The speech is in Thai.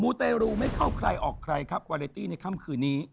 เตรูไม่เข้าใครออกใครครับวาเลตี้ในค่ำคืนนี้